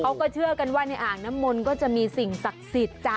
เขาก็เชื่อกันว่าในอ่างน้ำมนต์ก็จะมีสิ่งศักดิ์สิทธิ์จ้ะ